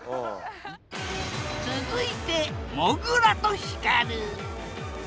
続いてもぐらとヒカル！